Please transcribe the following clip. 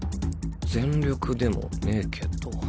全力でもねぇけど